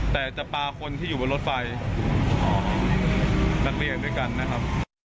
แต่จะปลาคนที่อยู่บนรถไฟนักเรียนด้วยกันนะครับ